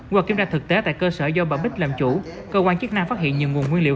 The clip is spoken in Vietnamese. qua kiểm tra thực tế tại cơ sở do bà bích làm chủ cơ quan chức năng phát hiện nhiều nguồn nguyên liệu